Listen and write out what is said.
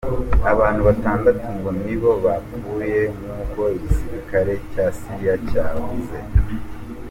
Abantu batandatu ngo nibo bapfuye, nkuko igisirikare ca Syria cavuze.